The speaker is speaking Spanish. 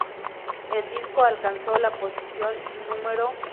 El disco alcanzó la posición No.